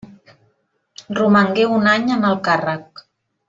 Romangué un any en el càrrec.